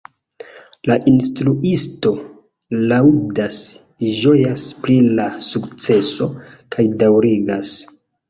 La instruisto laŭdas, ĝojas pri la sukceso kaj daŭrigas.